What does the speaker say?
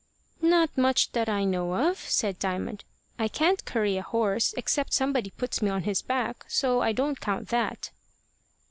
"Not much that I know of," said Diamond. "I can't curry a horse, except somebody puts me on his back. So I don't count that."